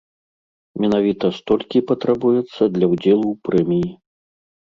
Менавіта столькі патрабуецца для ўдзелу ў прэміі.